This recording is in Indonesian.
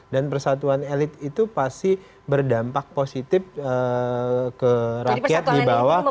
dan persatuan elit itu pasti berdampak positif ke rakyat di bawah